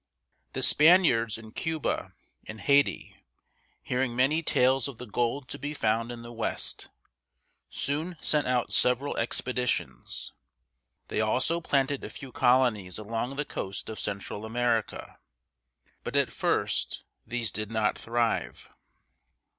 The Spaniards in Cuba and Haiti, hearing many tales of the gold to be found in the west, soon sent out several expeditions. They also planted a few colonies along the coast of Central America, but at first these did not thrive.